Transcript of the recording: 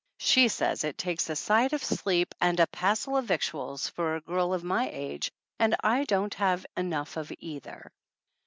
She says it takes a sight of sleep and a "passel o' victuals" for a girl of my age, and I don't have enough of either.